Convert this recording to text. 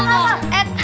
enggak enggak enggak